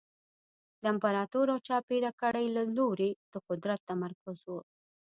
د امپراتور او چاپېره کړۍ له لوري د قدرت تمرکز و